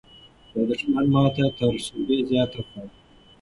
دښمن ماته تر سوبې زیاته خوړه.